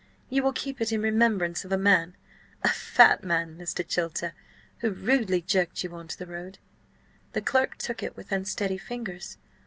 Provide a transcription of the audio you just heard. You will keep it in remembrance of a man–a fat man, Mr. Chilter–who rudely jerked you on to the road?" The clerk took it with unsteady fingers.